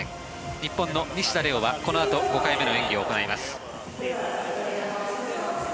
日本の西田玲雄はこのあと５回目の演技を行います。